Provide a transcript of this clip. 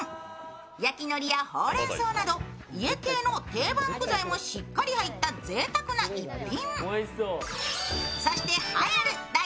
焼きのりやほうれんそうなど家系の定番具材もしっかり入ったぜいたくな逸品。